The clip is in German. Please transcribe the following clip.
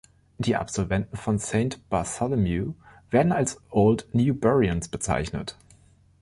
Die Absolventen von Saint Bartholomew werden als „Old Newburians“ bezeichnet.